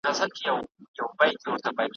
ډنبار په شپاړس کلني کي ,